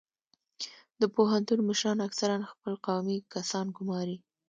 د پوهنتون مشران اکثرا خپل قومي کسان ګماري